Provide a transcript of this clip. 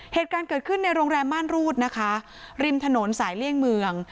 เหตุการณ์เกิดขึ้นในโรงแรมม่านรูดนะคะริมถนนสายเลี่ยงเมือง